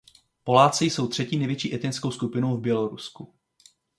Poláci jsou třetí největší etnickou skupinou v Bělorusku.